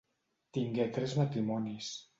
Tingué tres matrimonis.